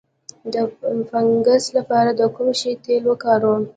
د فنګس لپاره د کوم شي تېل وکاروم؟